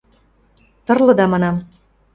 – Тырлыда манам!..